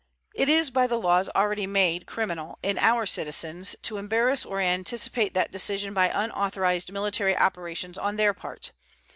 It is by the laws already made criminal in our citizens to embarrass or anticipate that decision by unauthorized military operations on their part.